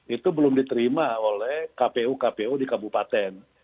itu belum diterima oleh kpu kpu di kabupaten